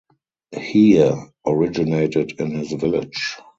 Heer originated in his village.